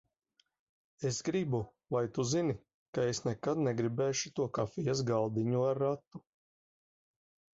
Es gribu, lai tu zini, ka es nekad negribēšu to kafijas galdiņu ar ratu.